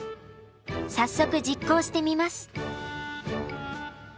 早速実行してみます。